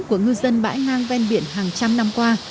của ngư dân bãi ngang ven biển hàng trăm năm qua